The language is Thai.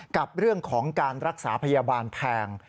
กับเรื่องของการรักษาพยาบาลแพง